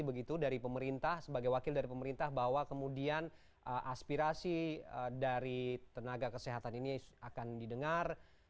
begitu dari pemerintah sebagai wakil dari pemerintah bahwa kemudian aspirasi dari tenaga kesehatan ini akan didengar